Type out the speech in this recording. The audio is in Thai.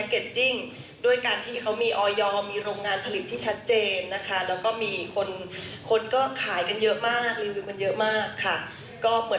เขาตอบคำตอบเราได้เราก็โอเค